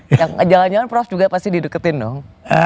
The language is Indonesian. yang jalan jalan prof juga pasti dideketin dong